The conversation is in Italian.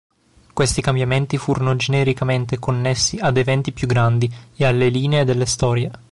Questi cambiamenti furono genericamente connessi ad eventi più grandi e alle linee delle storie.